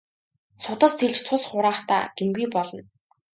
Судас тэлж цус хураахдаа гэмгүй болно.